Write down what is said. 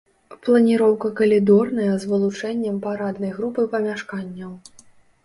Планіроўка калідорная з вылучэннем параднай групы памяшканняў.